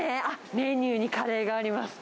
メニューにカレーがあります。